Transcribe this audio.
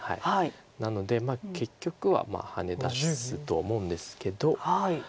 なので結局はハネ出すと思うんですけど。